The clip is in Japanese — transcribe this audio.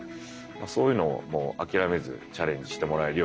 そういうのをもう諦めずチャレンジしてもらえるように。